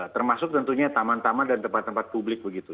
termasuk tentunya taman taman dan tempat tempat publik begitu